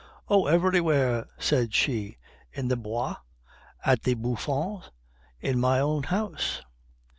"Oh, everywhere!" said she, "in the Bois, at the Bouffons, in my own house."